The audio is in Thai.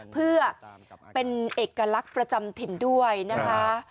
เพื่อเป็นเอกลักษณ์ประจำถิ่นด้วยนะคะ